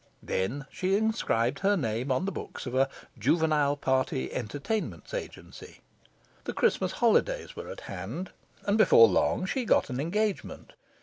Then she inscribed her name on the books of a "Juvenile Party Entertainments Agency." The Christmas holidays were at hand, and before long she got an engagement.